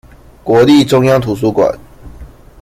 國立中央圖書館